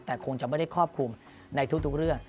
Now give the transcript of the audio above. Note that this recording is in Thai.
แต่คงจะไม่ได้ครอบคลุมในทุกเรื่อง